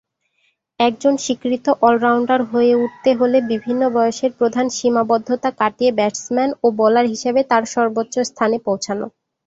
একজন স্বীকৃত অল-রাউন্ডার হয়ে উঠতে হলে বিভিন্ন বয়সের প্রধান সীমাবদ্ধতা কাটিয়ে ব্যাটসম্যান ও বোলার হিসেবে তার সর্বোচ্চ স্থানে পৌছানো।